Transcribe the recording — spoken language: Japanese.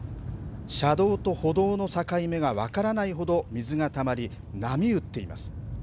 車道と歩道の境目が分からないほど水がたまり、波打っています。